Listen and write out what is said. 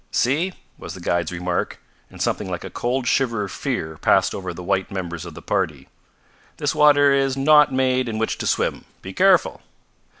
"See!" was the guide's remark, and something like a cold shiver of fear passed over the white members of the party. "This water is not made in which to swim. Be careful!"